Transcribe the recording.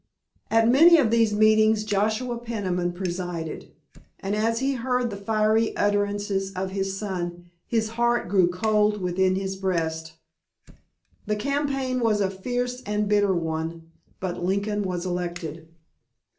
At many of these meetings Joshua Peniman presided. And as he heard the fiery utterances of his son his heart grew cold within his breast. The campaign was a fierce and bitter one, but Lincoln was elected.